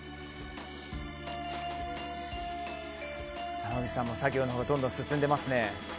濱口さんも作業のほうが進んでいますね。